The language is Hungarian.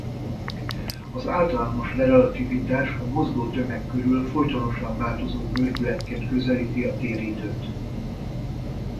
Az általános relativitás a mozgó tömeg körül folytonosan változó görbületként közelíti a téridőt.